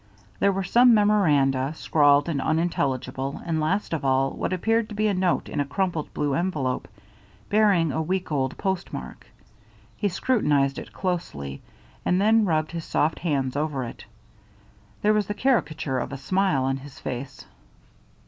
There were some memoranda, scrawled and unintelligible, and last of all, what appeared to be a note in a crumpled blue envelope, bearing a week old postmark. He scrutinized it closely, and then rubbed his soft hands over it. There was the caricature of a smile on his face.